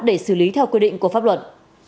để xử lý theo quy định của pháp luật